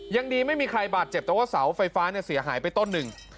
ยังดีไม่มีใครบาดเจ็บแต่ว่าเสาไฟฟ้าเนี่ยเสียหายไปต้นหนึ่ง